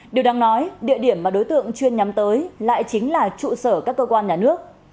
điều đáng nói địa điểm mà đối tượng chuyên nhắm tới lại chính là trụ sở các cơ quan nhà nước